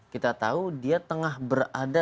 kita tahu dia tengah berada